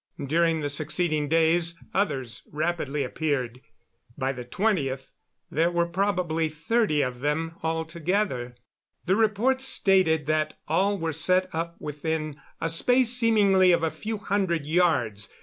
During the succeeding days others rapidly appeared. By the 20th there were probably thirty of them altogether. The reports stated that all were set up within a space seemingly of a few hundred yards.